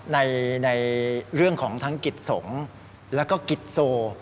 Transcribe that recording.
ในเรื่องของทั้งกิจสงฆ์แล้วก็กิจโซ